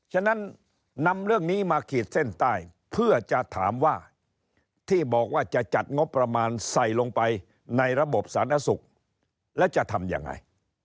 ฉะนั้นนำเรื่องนี้มาขีดเส้นใต้เพื่อจะถามว่าที่บอกว่าจะจัดงบประมาณใส่ลงไปในระบบสาธารณสุขแล้วจะทำยังไง